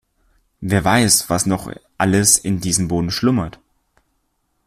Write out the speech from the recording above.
Wer weiß, was noch alles in diesem Boden schlummert?